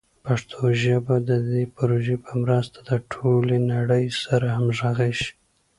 پښتو ژبه به د دې پروژې په مرسته د ټولې نړۍ سره همغږي شي.